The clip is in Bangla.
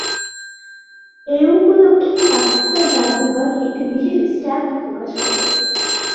এই উপলক্ষে পাকিস্তান ডাক বিভাগ একটি বিশেষ স্ট্যাম্প প্রকাশ করে।